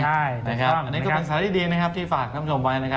อันนี้ก็เป็นสารดีที่ฝากท่ำชมไว้